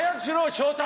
昇太！